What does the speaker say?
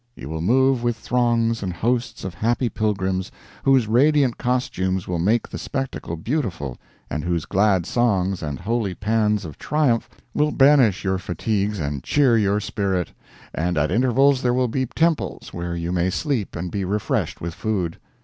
You will move with throngs and hosts of happy pilgrims whose radiant costumes will make the spectacle beautiful and whose glad songs and holy pans of triumph will banish your fatigues and cheer your spirit; and at intervals there will be temples where you may sleep and be refreshed with food.